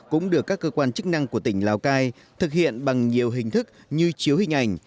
cũng được các cơ quan chức năng của tỉnh lào cai thực hiện bằng nhiều hình thức như chiếu hình ảnh